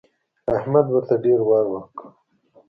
احمد ورته ډېر وار وکړ.